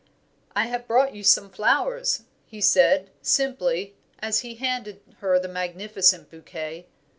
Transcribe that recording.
"I have brought you some flowers," he said, simply, as he handed her the magnificent bouquet.